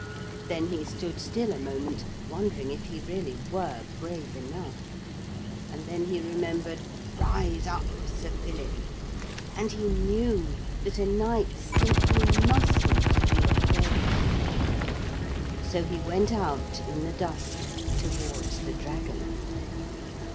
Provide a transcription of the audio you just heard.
Then he stood still a moment, wondering if he really were brave enough. And then he remembered 'Rise up, Sir Philip,' and he knew that a knight simply mustn't be afraid. So he went out in the dusk towards the dragon.